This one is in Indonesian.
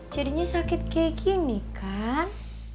jadinya sakit kayak gini kan